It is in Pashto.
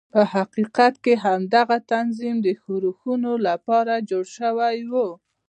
په حقیقت کې همدغه تنظیم د ښورښونو لپاره جوړ شوی و.